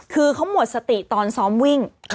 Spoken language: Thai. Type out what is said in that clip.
คือเขาหมดสติตอนซ้อมวิ่ง